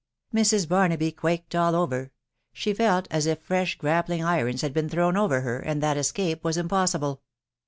Mrs. Barnaby quaked all over ; she felt at if fresh grap pling irons had been thrown over her,, and that escape was impossible.